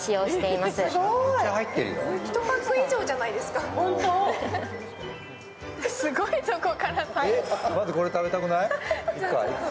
まずこれ食べたくない？